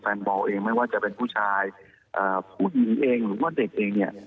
บอลเองไม่ว่าจะเป็นผู้ชายผู้หญิงเองหรือว่าเด็กเองเนี่ย